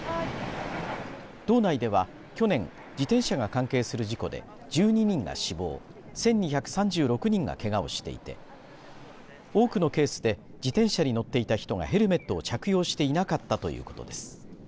道内では、去年自転車が関係する事故で１２人が死亡１２３６人がけがをしていて多くのケースで自転車に乗っていた人がヘルメットを着用していなかったということです。